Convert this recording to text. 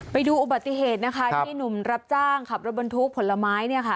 ไปดูอุบัติเหตุนะคะที่หนุ่มรับจ้างขับรถบรรทุกผลไม้เนี่ยค่ะ